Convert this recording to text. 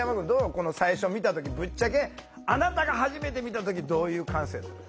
この最初見た時ぶっちゃけあなたが初めて見た時どういう感想やったん？